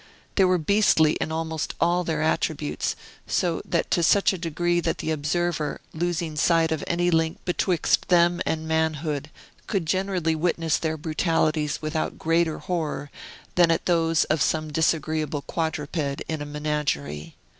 They were beastly in almost all their attributes, and that to such a degree that the observer, losing sight of any link betwixt them and manhood, could generally witness their brutalities without greater horror than at those of some disagreeable quadruped in a menagerie.